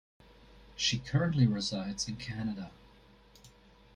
She currently resides in Canada.